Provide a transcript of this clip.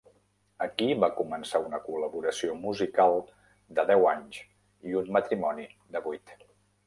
Aquí va començar una col·laboració musical de deu anys i un matrimoni de vuit.